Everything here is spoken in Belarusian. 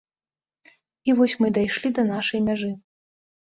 І вось мы дайшлі да нашай мяжы.